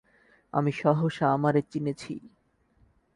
আমি সহসা আমারে চিনেছি।